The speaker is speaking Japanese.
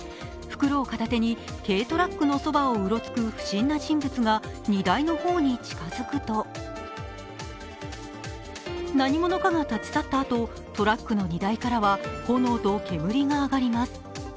袋を片手に軽トラックのそばをうろつく不審な人物が荷台の方に近づくと、何者かが立ち去ったあと、トラックの荷台からは炎と煙が上がります。